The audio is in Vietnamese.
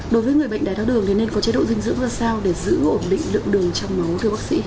đối với người bệnh đái tháo đường thì nên có chế độ dinh dưỡng ra sao để giữ ổn định lượng đường trong máu thưa bác sĩ